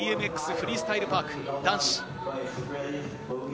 フリースタイル・パーク男子。